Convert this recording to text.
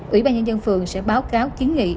ủy ban nhân dân phường sẽ báo cáo kiến nghị